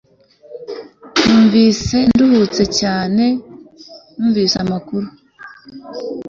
Numvise nduhutse cyane numvise amakuru